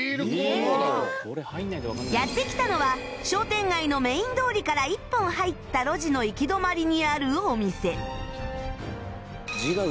やって来たのは商店街のメイン通りから一本入った路地の行き止まりにあるお店